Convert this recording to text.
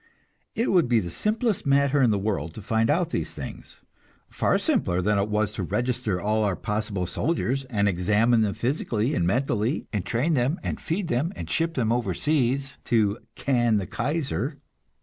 It would be the simplest matter in the world to find out these things far simpler that it was to register all our possible soldiers, and examine them physically and mentally, and train them and feed them and ship them overseas to "can the Kaiser."